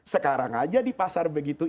sekarang aja di pasar begitu